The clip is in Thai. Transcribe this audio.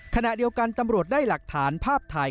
ขณะเดียวกันตำรวจได้หลักฐานภาพถ่าย